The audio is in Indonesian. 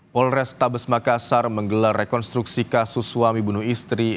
polres tabes makassar menggelar rekonstruksi kasus suami bunuh istri